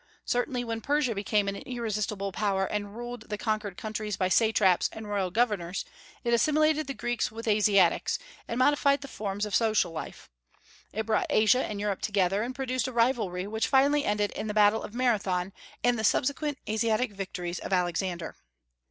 Certainly when Persia became an irresistible power and ruled the conquered countries by satraps and royal governors, it assimilated the Greeks with Asiatics, and modified the forms of social life; it brought Asia and Europe together, and produced a rivalry which finally ended in the battle of Marathon and the subsequent Asiatic victories of Alexander.